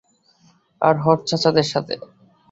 আর hot চাচাদের সাথে!